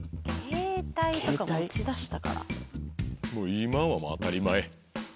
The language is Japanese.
今はもう当たり前。